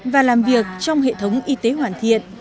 và làm việc trong hệ thống y tế hoàn thiện